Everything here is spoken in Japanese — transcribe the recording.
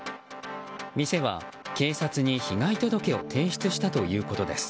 店は、警察に被害届を提出したということです。